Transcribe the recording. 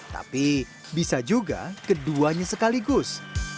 tapi bisa juga keduanya sekaligus